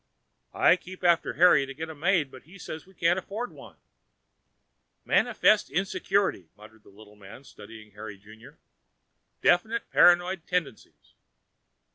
"I keep after Harry to get a maid, but he says we can't afford one." "Manifestly insecure," muttered the little man, studying Harry Junior. "Definite paranoid tendencies."